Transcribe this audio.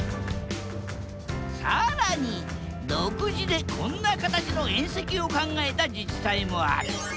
更に独自でこんな形の縁石を考えた自治体もある。